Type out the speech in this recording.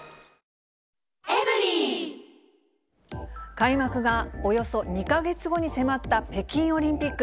開幕がおよそ２か月後に迫った北京オリンピック。